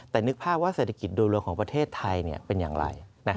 แต่นึกภาพว่าเศรษฐกิจโดยรวมของประเทศไทยเป็นอย่างไร